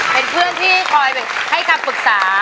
เป็นเพื่อนที่คอยให้คำปรึกษา